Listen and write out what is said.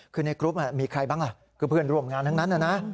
คือในกรุ๊ปมีใครบ้างล่ะคือเพื่อนร่วมงานทั้งนั้นนะ